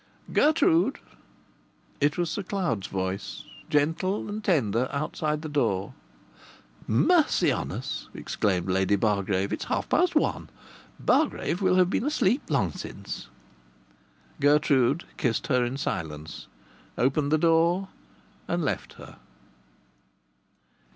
"Gertrude!" It was Sir Cloud's voice, gentle and tender, outside the door. "Mercy on us!" exclaimed Lady Bargrave. "It's half past one. Bargrave will have been asleep long since." Gertrude kissed her in silence, opened the door, and left her.